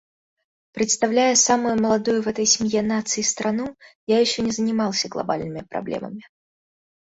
Представляя самую молодую в этой семье наций страну, я еще не занимался глобальными проблемами.